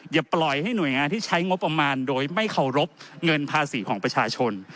อย่าปล่อยให้หน่วยงานที่ใช้งบประมาณโดยไม่เคารพเงินภาษีของประชาชน